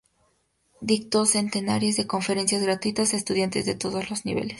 Dictó centenares de conferencias gratuitas a estudiantes de todos los niveles.